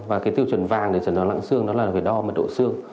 và cái tiêu chuẩn vàng để chẳng hạn loãng xương đó là phải đo mật độ xương